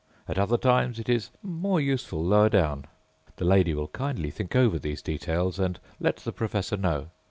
At other times it is more useful lower down. The lady will kindly think over these details and let the professor know.